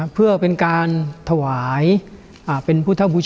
เพื่อทวายผู้ชาพุทธ